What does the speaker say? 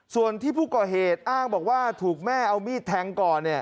ส่วนที่ผู้ก่อเหตุอ้างบอกว่าถูกแม่เอามีดแทงก่อน